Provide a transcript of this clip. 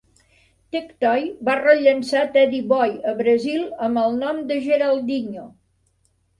Tectoy va rellançar "Teddy Boy" a Brasil amb el nom de "Geraldinho".